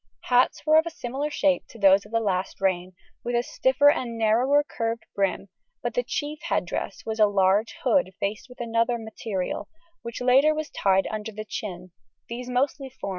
Hats were of a similar shape to those of the last reign, with a stiffer and narrower curved brim; but the chief head dress was a large hood faced with another material, which latter was tied under the chin; these mostly formed part of a cape also.